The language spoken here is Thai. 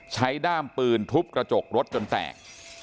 ด้ามปืนทุบกระจกรถจนแตก